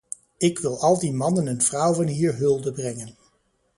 Ik wil al die mannen en vrouwen hier hulde brengen.